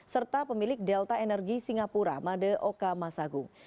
serta pemilik delta energi singapura madeoka masagung